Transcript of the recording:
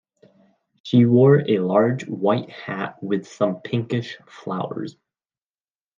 She wore a large white hat with some pinkish flowers.